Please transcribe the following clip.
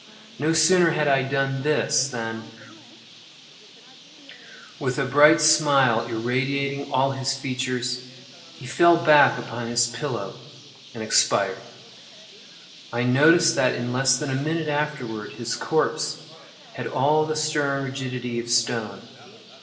No sooner had I done this, than, with a bright smile irradiating all his features, he fell back upon his pillow and expired. I noticed that in less than a minute afterward his corpse had all the stern rigidity of stone.